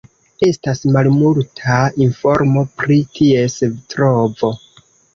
Estas malmulta informo pri ties trovo.